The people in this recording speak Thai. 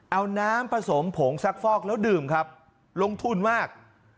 เอาน้ำผสมผงซักฟอกแล้วดื่มครับลงทุนมาก